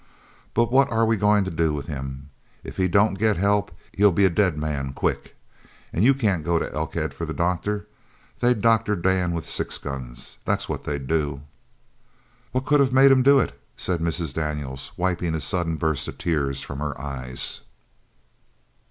But what are we goin' to do with him? If he don't get help he'll be a dead man quick. An' you can't go to Elkhead for the doctor. They'd doctor Dan with six guns, that's what they'd do." "What could of made him do it?" said Mrs. Daniels, wiping a sudden burst of tears from her eyes.